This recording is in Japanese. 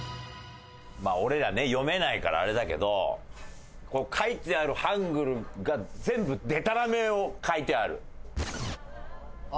俺らね読めないからあれだけど書いてあるハングルが全部デタラメを書いてある。